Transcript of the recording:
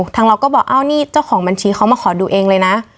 เราก็บอกอ้าวนี่เจ้าของบัญชีเขามาขอดูเองเลยนะ